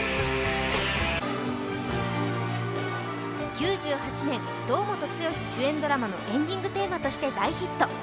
９８年、堂本剛主演ドラマのエンディングテーマとして大ヒット。